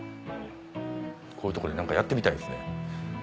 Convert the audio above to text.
こういうとこで何かやってみたいですね。